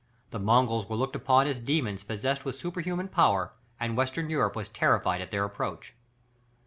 The Mongols were looked upon as demons possessed with superhuman power, and Western Europe was terrified at their approach.